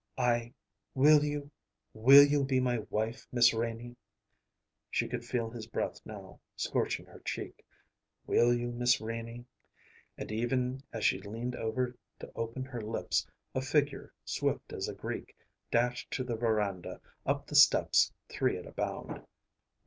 I Will you will you be my wife, Miss Renie?" She could feel his breath now, scorching her cheek. "Will you, Miss Renie?" And even as she leaned over to open her lips a figure, swift as a Greek, dashed to the veranda up the steps three at a bound.